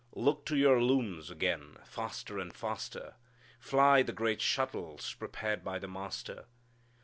Look to your looms again; Faster and faster Fly the great shuttles Prepared by the Master.